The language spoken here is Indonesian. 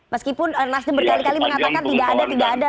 meskipun nasdem berkali kali mengatakan tidak ada tidak ada